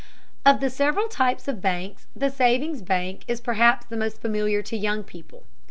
Of the several types of banks, the savings bank is perhaps the most familiar to young people.